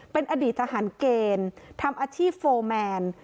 เป็นอดีตทหารเกณฑ์ทำอาชีพโฟร์แมน